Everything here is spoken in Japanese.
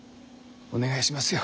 お願いしますよ。